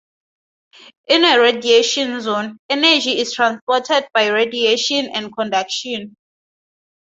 In a radiation zone, energy is transported by radiation and conduction.